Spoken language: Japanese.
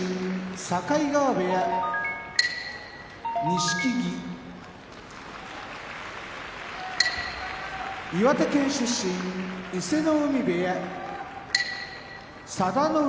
境川部屋錦木岩手県出身伊勢ノ海部屋佐田の海